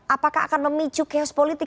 apakah akan memicu chaos politik